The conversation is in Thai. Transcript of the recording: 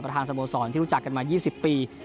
ประธานสมสรรค์ที่รู้จักกันมา๒๐ปี